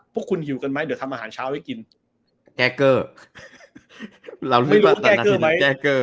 พวกคุณหิวกันไหมเดี๋ยวทำอาหารเช้าให้กินแก้เก้อเราไม่รู้ว่าแก้เก้อไหม